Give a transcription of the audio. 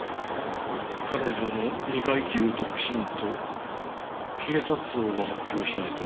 彼女の二階級特進と警察葬を発表しないとな。